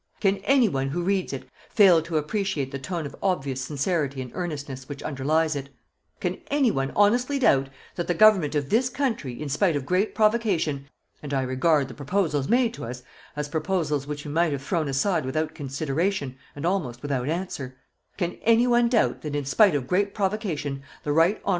Can any one who reads it fail to appreciate the tone of obvious sincerity and earnestness which underlies it; can any one honestly doubt that the Government of this country in spite of great provocation and I regard the proposals made to us as proposals which we might have thrown aside without consideration and almost without answer can any one doubt that in spite of great provocation the right hon.